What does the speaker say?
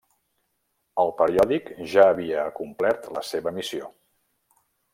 El periòdic ja havia complert la seva missió.